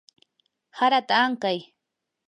harata ankay.